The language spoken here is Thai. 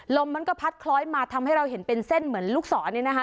ลมมันก็พัดคล้อยมาทำให้เราเห็นเป็นเส้นเหมือนลูกศรเนี่ยนะคะ